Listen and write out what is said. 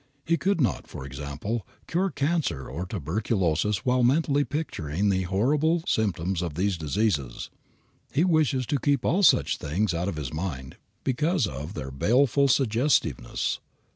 He could not, for example, cure cancer or tuberculosis while mentally picturing the horrible symptoms of these diseases. He wishes to keep all such things out of his mind because of their baleful suggestiveness.